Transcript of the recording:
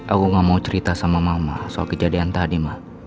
aku gak mau cerita sama mama soal kejadian tadi mah